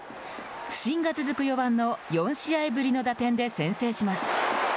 不振が続く４番の４試合ぶりの打点で先制します。